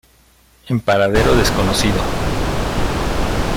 En paradero desconocido.